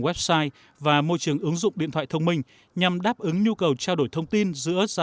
website và môi trường ứng dụng điện thoại thông minh nhằm đáp ứng nhu cầu trao đổi thông tin giữa gia